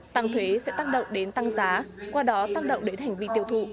tăng thuế sẽ tác động đến tăng giá qua đó tác động đến hành vi tiêu thụ